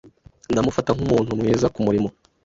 Ndamufata nkumuntu mwiza kumurimo.